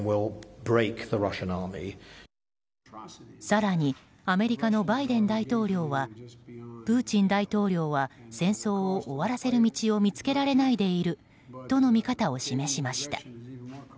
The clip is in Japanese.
更にアメリカのバイデン大統領はプーチン大統領は戦争を終わらせる道を見つけられないでいるとの見方を示しました。